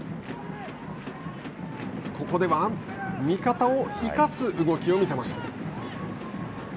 ここでは味方を生かす動きを見せました。